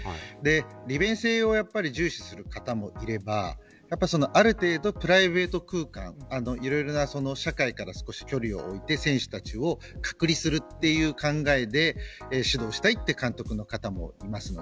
利便性を重視する方もいればある程度、プライベート空間いろいろな社会から距離を置いて選手たちを隔離するという考えで指導したいという監督の方もいます。